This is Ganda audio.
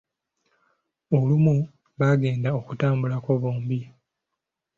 Olumu bagenda okutambulako bombi.